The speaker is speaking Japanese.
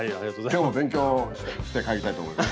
今日も勉強して帰りたいと思います。